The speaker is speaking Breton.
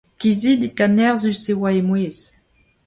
Kizidik ha nerzhus e oa he mouezh.